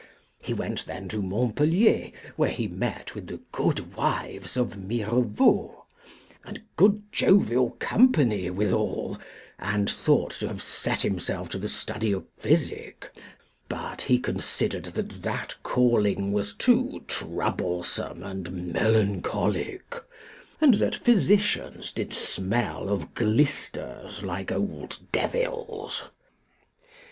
He went then to Montpellier, where he met with the good wives of Mirevaux, and good jovial company withal, and thought to have set himself to the study of physic; but he considered that that calling was too troublesome and melancholic, and that physicians did smell of glisters like old devils.